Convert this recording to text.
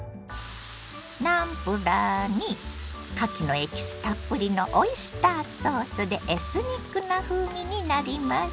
ナムプラーにかきのエキスたっぷりのオイスターソースでエスニックな風味になります。